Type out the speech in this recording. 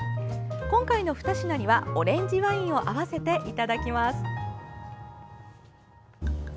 今回の２品にはオレンジワインを合わせていただきます。